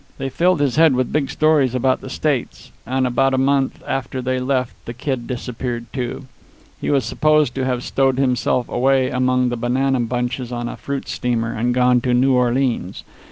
They filled his head with big stories about the States; and about a month after they left, the kid disappeared, too. He was supposed to have stowed himself away among the banana bunches on a fruit steamer, and gone to New Orleans.